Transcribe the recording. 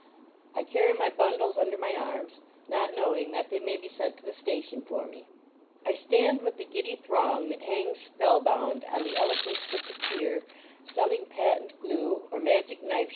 I carry my bundles under my arms, not knowing that they may be sent to the station for me. I stand with the giddy throng that hangs spell bound on the eloquence of the fakir Celling patent glue or magic knife